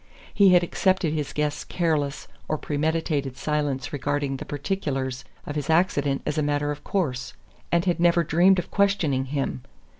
He had accepted his guest's careless or premeditated silence regarding the particulars of his accident as a matter of course, and had never dreamed of questioning him.